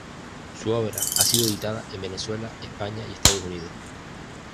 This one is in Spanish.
Su obra ha sido editada en Venezuela, España y Estados Unidos.